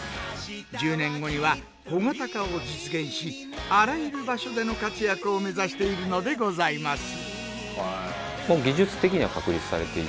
１０年後には小型化を実現しあらゆる場所での活躍を目指しているのでございます。